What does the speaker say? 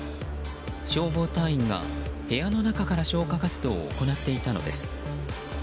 消防隊員が部屋の中から消火活動を行っていたのです。